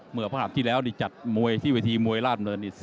เมื่อพระคาบที่แล้วที่จัดมวยที่วิธีมวยลาดเมือง